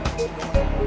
dan kenapa mobil pengurus